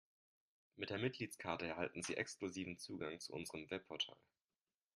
Mit der Mitgliedskarte erhalten Sie exklusiven Zugang zu unserem Webportal.